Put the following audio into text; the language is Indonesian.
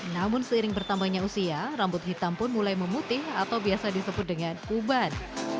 namun seiring bertambahnya usia rambut hitam pun mulai memutih atau biasa disebut dengan uban